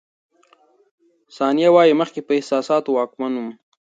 ثانیه وايي، مخکې په احساساتو واکمن وم.